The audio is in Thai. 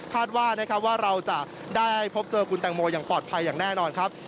ว่านะครับว่าเราจะได้พบเจอคุณแตงโมอย่างปลอดภัยอย่างแน่นอนครับ